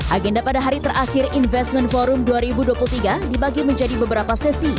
agenda pada hari terakhir investment forum dua ribu dua puluh tiga dibagi menjadi beberapa sesi